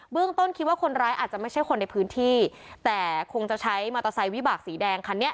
ต้นคิดว่าคนร้ายอาจจะไม่ใช่คนในพื้นที่แต่คงจะใช้มอเตอร์ไซค์วิบากสีแดงคันนี้